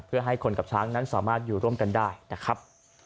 เพื่อให้คนกับช้างนั้นสามารถอยู่ร่วมกันได้นะครับ